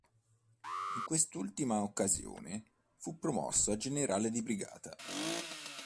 In quest'ultima occasione fu promosso a generale di brigata.